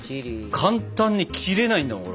簡単に切れないんだもんこれ。